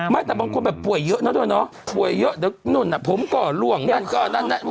แต่บางคนแบบป่วยเยอะนะเธอเนาะป่วยเยอะเดี๋ยวนู่นน่ะผมก็ล่วงนั่นก็นั่นนั่น